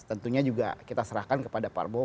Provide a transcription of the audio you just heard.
tentunya juga kita serahkan kepada pak prabowo